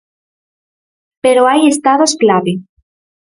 Pero hai estados clave.